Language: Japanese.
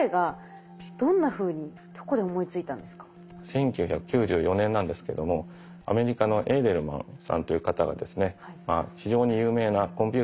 １９９４年なんですけどもアメリカのエーデルマンさんという方がですね非常に有名なコンピューターの科学者なんですけども